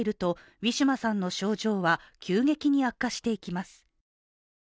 ３月に入ると、ウィシュマさんの病状は急激に悪化していきます。